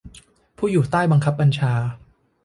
ผู้อยู่ใต้บังคับบัญชา